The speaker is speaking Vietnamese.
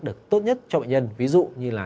được tốt nhất cho bệnh nhân ví dụ như là